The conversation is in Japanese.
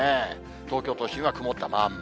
東京都心は曇ったまんま。